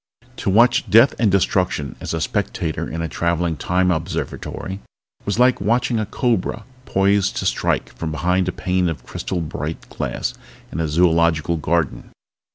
To watch death and destruction as a spectator in a traveling Time Observatory was like watching a cobra poised to strike from behind a pane of crystal bright glass in a zoological garden.